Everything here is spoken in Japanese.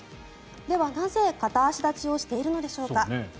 では、なぜ片足立ちをしているのでしょうか？